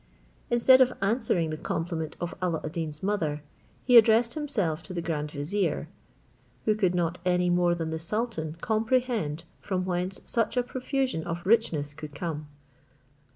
Instead of answering the compliment of Alla ad Deen's mother, he addressed himself to the grand vizier, who could not any more than the sultan comprehend from whence such a profusion of richness could come.